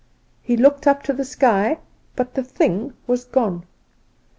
He looked up to the sky; but the thing was gone.